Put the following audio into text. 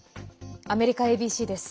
アメリカＡＢＣです。